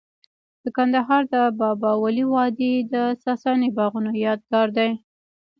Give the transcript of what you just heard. د کندهار د بابا ولی وادي د ساساني باغونو یادګار دی